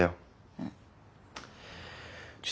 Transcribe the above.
うん。